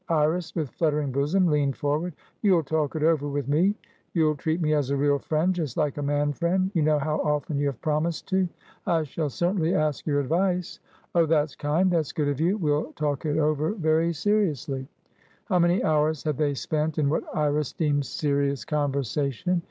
Iris, with fluttering bosom, leaned forward. "You'll talk it over with me? You'll treat me as a real friendjust like a man friend? You know how often you have promised to." "I shall certainly ask your advice." "Oh! that's kind, that's good of you! We'll talk it over very seriously." How many hours had they spent in what Iris deemed "serious" conversation?